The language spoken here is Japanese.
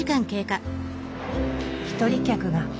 一人客が。